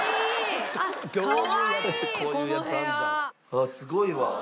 あっすごいわ。